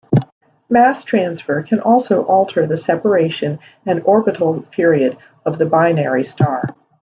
Mass transfer can also alter the separation and orbital period of the binary star.